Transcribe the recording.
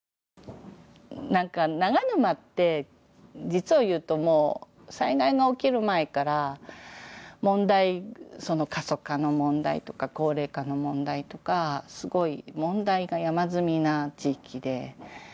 なんか長沼って実を言うともう災害が起きる前から問題過疎化の問題とか高齢化の問題とかすごく問題が山積みな地域で。